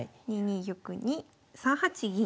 ２二玉に３八銀。